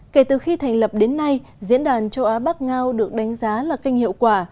kể từ khi thành lập đến nay diễn đàn châu á bắc ngao được đánh giá là kênh hiệu quả